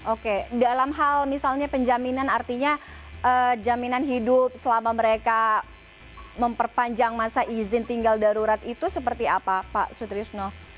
oke dalam hal misalnya penjaminan artinya jaminan hidup selama mereka memperpanjang masa izin tinggal darurat itu seperti apa pak sutrisno